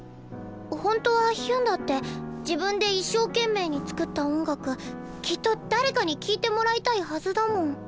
ほんとはヒュンだって自分で一生懸命に作った音楽きっと誰かに聴いてもらいたいはずだもん。